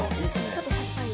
ちょっとさっぱり。